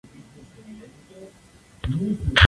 En cierta manera así nacieron los puentes colgantes.